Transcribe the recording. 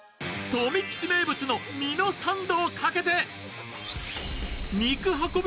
富吉名物のミノサンドをかけて肉運び